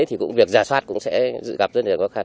thì cũng việc giả soát cũng sẽ gặp rất nhiều khó khăn